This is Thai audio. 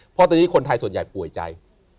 เพราะตอนนี้คนไทยส่วนใหญ่ป่วยใจ